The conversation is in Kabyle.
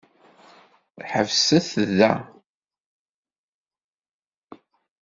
Ḥebset da.